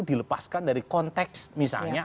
dilepaskan dari konteks misalnya